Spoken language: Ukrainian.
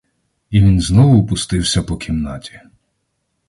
І він знов пустився по кімнаті.